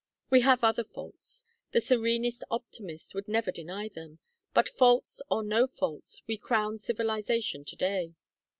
We have other faults; the serenest optimist would never deny them; but, faults or no faults, we crown civilization to day.